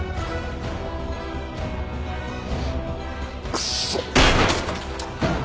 クソ！